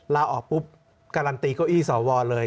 ลาออกปุ๊บการันตีเก้าอี้สวเลย